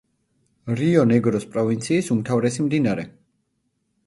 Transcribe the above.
რიო-ნეგროს პროვინციის უმთავრესი მდინარე.